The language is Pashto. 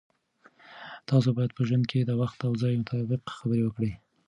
تاسو باید په ژوند کې د وخت او ځای مطابق خبرې وکړئ.